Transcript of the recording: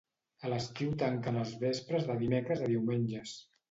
A l'estiu tanquen als vespres de dimecres a diumenges.